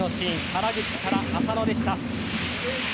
原口から浅野でした。